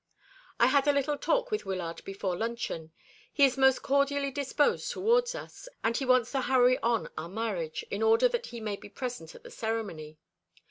"I had a little talk with Wyllard before luncheon. He is most cordially disposed towards us; and he wants to hurry on our marriage in order that he may be present at the ceremony.